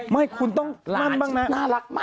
ไม่คุณต้องมั่นบ้างน่ารักมาก